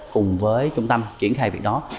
cùng với trung tâm chuyển khai việc đó